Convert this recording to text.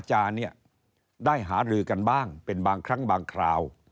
อาจารย์เนี่ยได้หารือกันบ้างเป็นบางครั้งบางคราว